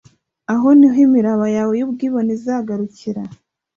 Aha ni ho imiraba yawe y’ubwibone izagarukira.’